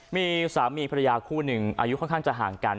มีสามีภรรยาคู่หนึ่งอายุค่อนข้างจะห่างกัน